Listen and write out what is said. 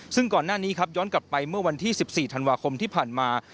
ซึ่งก่อนหน้านี้ครับย้อนกลับไปเมื่อวันที่๑๔ธันวาคมที่ผ่านมา